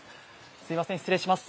すいません、失礼します。